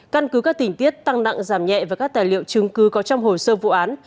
căn cứ các tỉnh tiết tăng nặng giảm nhẹ và các tài liệu chứng cứ có trong hồ sơ vụ án